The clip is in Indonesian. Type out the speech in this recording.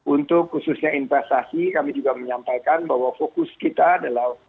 untuk khususnya investasi kami juga menyampaikan bahwa fokusnya adalah investasi